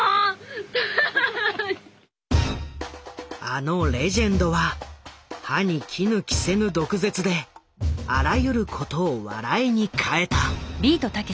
あのレジェンドは歯に衣着せぬ毒舌であらゆることを笑いに変えた。